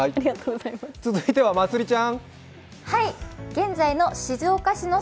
続いてはまつりちゃん。